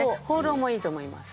琺瑯もいいと思います。